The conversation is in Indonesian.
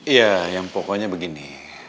ya yang pokoknya begini